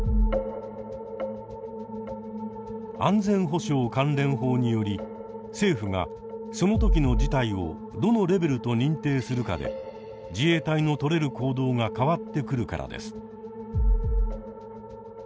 安全保障関連法により政府がその時の事態をどのレベルと認定するかで自衛隊の取れる行動が変わってくるからです。